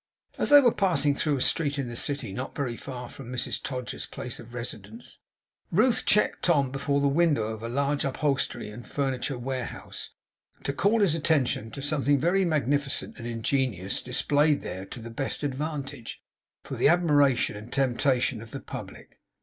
As they were passing through a street in the City, not very far from Mrs Todgers's place of residence, Ruth checked Tom before the window of a large Upholstery and Furniture Warehouse, to call his attention to something very magnificent and ingenious, displayed there to the best advantage, for the admiration and temptation of the public.